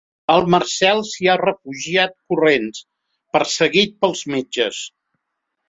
El Marcel s'hi ha refugiat corrents, perseguit pels metges.